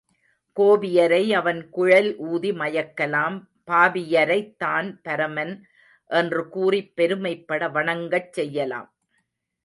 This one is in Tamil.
கோபியரை அவன் குழல் ஊதி மயக்கலாம் பாபியரைத் தான் பரமன் என்று கூறிப் பெருமைப்பட வணங்கச் செய்யலாம்.